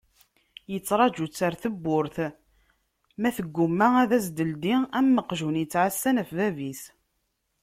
Yettraǧu-tt ɣer tewwurt ma tgumma ad as-teldi am uqjun yettɛassan ɣef bab-is.